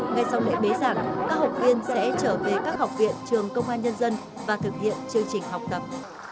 ngay sau lễ bế giảng các học viên sẽ trở về các học viện trường công an nhân dân và thực hiện chương trình học tập